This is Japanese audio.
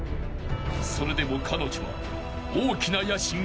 ［それでも彼女は大きな野心を捨てなかった］